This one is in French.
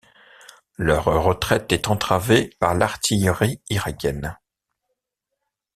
Leur retraite est entravée par l'artillerie irakienne.